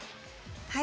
はい。